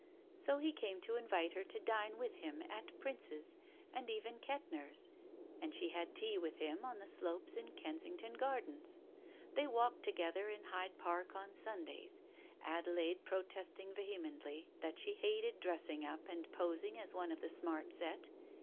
So he came to invite her to dine with him at Prince's and even Kettner's ; she had tea with him on the slopes in Kensington Gardens ; they walked together in Hyde Park on Sundays, Adelaide protesting vehemently that she hated dressing up and posing as one of the smart set.